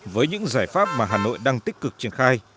với những giải pháp mà hà nội đang tích cực triển khai